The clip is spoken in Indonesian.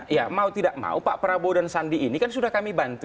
ya mau tidak mau pak prabowo dan sandi ini kan sudah kami bantu